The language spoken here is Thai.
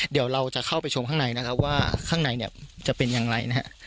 เดี๋ยวเราจะเข้าไปชมข้างในนะครับว่าข้างในเนี่ยจะเป็นอย่างไรนะฮะ